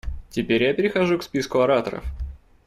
Теперь я перехожу к списку ораторов.